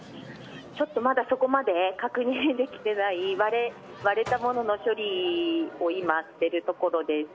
ちょっと、まだ、そこまで確認できてない割れたものの処理を今しているところです。